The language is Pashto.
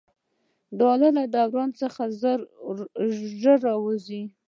ډالر له دوران څخه ژر ووځي.